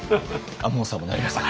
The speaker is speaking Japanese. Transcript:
亞門さんもなりますか？